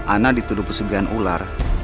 ana dituduh pesugihan ular